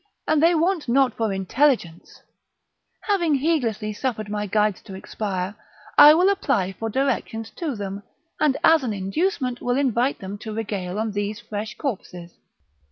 and they want not for intelligence; having heedlessly suffered my guides to expire, I will apply for directions to them, and as an inducement will invite them to regale on these fresh corpses."